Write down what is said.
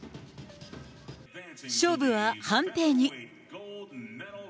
勝負は判定に。